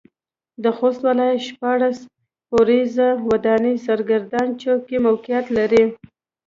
د خوست ولايت شپاړس پوړيزه وداني سرګردان چوک کې موقعيت لري.